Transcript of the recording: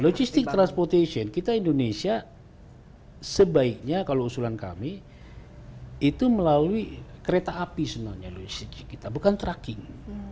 logistic transportation kita indonesia sebaiknya kalau usulan kami itu melalui kereta api sebenarnya logistik kita bukan tracking